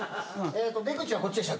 出口はこっちでした？